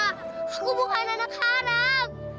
aku bukan anak haram